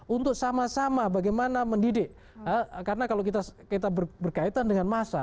untuk sama sama bagaimana mendidik karena kalau kita berkaitan dengan masa